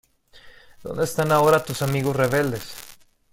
¿ Dónde están ahora tus amigos rebeldes?